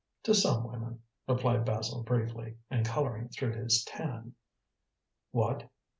"To some women," replied Basil briefly, and colouring through his tan. "What!